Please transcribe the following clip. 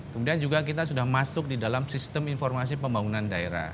kemudian juga kita sudah masuk di dalam sistem informasi pembangunan daerah